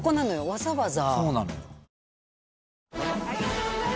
わざわざ。